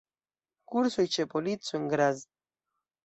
Kursoj ĉe polico en Graz.